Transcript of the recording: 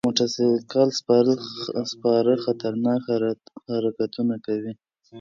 موټر سایکل سپاره خطرناک حرکتونه کوي.